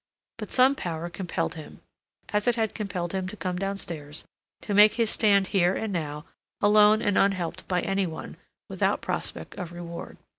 But some power compelled him, as it had compelled him to come downstairs, to make his stand here and now, alone and unhelped by any one, without prospect of reward.